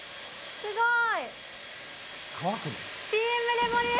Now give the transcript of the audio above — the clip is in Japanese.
すごい！